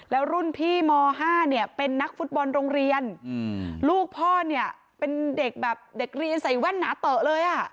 แล้วรุ่นพี่ม๕เป็นนักฟุตบอลโรงเรียนลูกพ่อเป็นเด็กเรียนใส่แว่นหนาเต๋อเลย